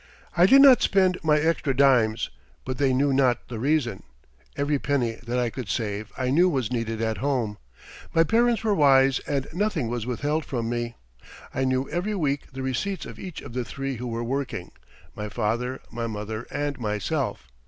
I did not spend my extra dimes, but they knew not the reason. Every penny that I could save I knew was needed at home. My parents were wise and nothing was withheld from me. I knew every week the receipts of each of the three who were working my father, my mother, and myself.